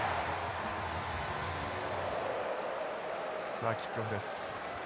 さあキックオフです。